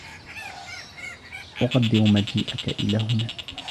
اقدر مجیئك الی هنا.